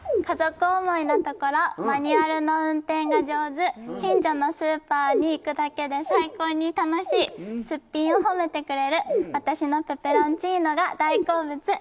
「家族思いなところマニュアルの運転が上手」「近所のスーパーに行くだけで最高に楽しい」「すっぴんをほめてくれる私のペペロンチーノが大好物」